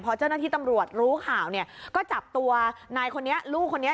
พอเจ้าหน้าที่ตำรวจรู้ข่าวเนี่ยก็จับตัวนายคนนี้ลูกคนนี้